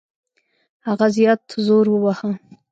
هغه زیات زور وواهه.